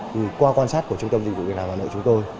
thì qua quan sát của trung tâm dịch vụ việc làm hà nội chúng tôi